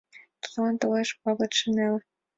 Тудлан толеш пагытше неле.